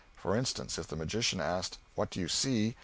For instance, if the magician asked, "What do you see?"